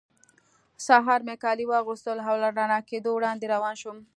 سهار مې کالي واغوستل او له رڼا کېدو وړاندې روان شوم.